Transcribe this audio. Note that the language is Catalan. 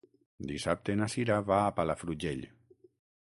Dissabte na Cira va a Palafrugell.